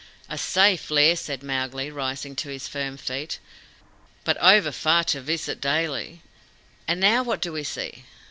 "A safe lair," said Mowgli, rising to his firm feet, "but over far to visit daily. And now what do we see?"